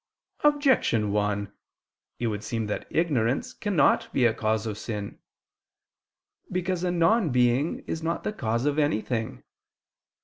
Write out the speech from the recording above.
Objection 1: It would seem that ignorance cannot be a cause of sin: because a non being is not the cause of anything.